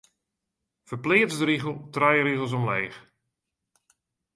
Ferpleats de rigel trije rigels omleech.